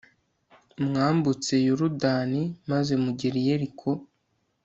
mwambutse yorudani maze mugera i yeriko